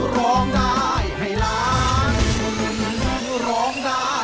ร้องได้ให้ร้อง